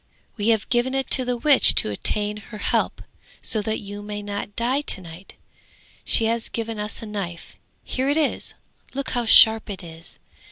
_] 'We have given it to the witch to obtain her help, so that you may not die to night! She has given us a knife; here it is, look how sharp it is!